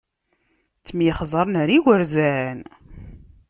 Ttemyexzaren ar igerzan.